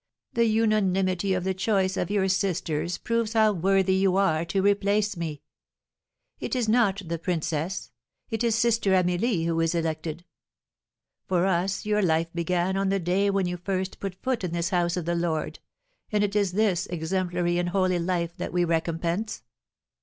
The unanimity of the choice of your sisters proves how worthy you are to replace me. It is not the princess it is Sister Amelie who is elected. For us your life began on the day when you first put foot in this house of the Lord, and it is this exemplary and holy life that we recompense.